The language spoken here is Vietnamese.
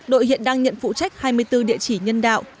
đội hiện đang nhận phụ trách hai mươi bốn địa chỉ nhân đạo